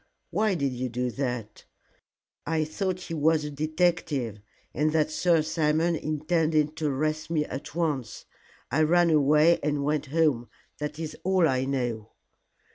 "Why did you do that?" "I thought he was a detective, and that Sir Simon intended to arrest me at once. I ran away and went home. That is all I know."